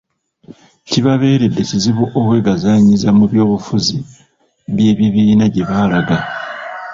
Kibabeeredde kizibu okwegazanyiza mu by'obufuzi by'ebibiina gye baalaga.